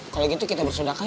kalau gitu kita bersudaka yuk